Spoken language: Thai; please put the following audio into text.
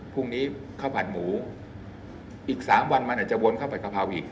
พรุ่งนี้ข้าวผัดหมูอีกสามวันมันอาจจะวนข้าวผัดกะเพราอีก